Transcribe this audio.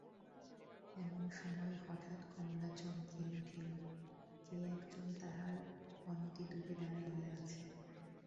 এমন সময় হঠাৎ কমলা চমকিয়া উঠিল–কে একজন তাহার অনতিদূরে দাঁড়াইয়া আছে।